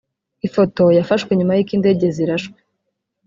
Ifoto yafashwe nyuma y’uko indege zirashwe